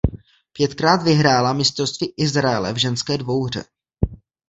Pětkrát vyhrála mistrovství Izraele v ženské dvouhře.